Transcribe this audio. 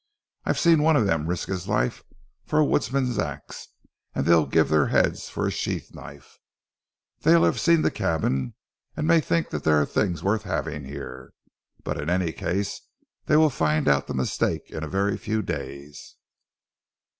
I've seen one of them risk his life for a woodman's axe, and they'll give their heads for a sheath knife. They will have seen the cabin and may think that there are things worth having here, but in any case they will find out the mistake in a very few days."